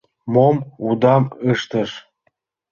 Мом удам ыштыш?